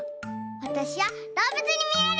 わたしはどうぶつにみえる！